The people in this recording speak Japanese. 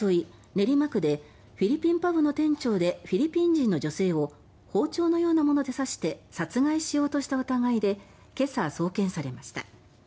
練馬区でフィリピンパブの店長でフィリピン人の女性を包丁のようなもので刺して殺害しようとした疑いで今朝、送検されました。